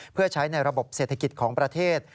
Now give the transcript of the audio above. เพื่อใช้ในระบบเศรษฐกิจของประเทศ